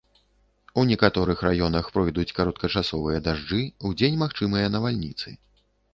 У некаторых раёнах пройдуць кароткачасовыя дажджы, удзень магчымыя навальніцы.